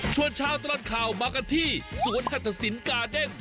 ชวนเช้าตลาดข่าวมากันที่สวนฮัตทศิลป์กาเด็ก